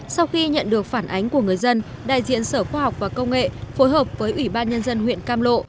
sau khi nhận được phản ánh của người dân đại diện sở khoa học và công nghệ phối hợp với ủy ban nhân dân huyện cam lộ